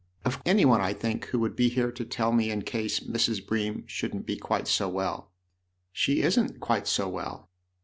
" Oi anyone, I think, who would be here to tell me in case Mrs. Bream shouldn't be quite so well." " She isn't quite so well."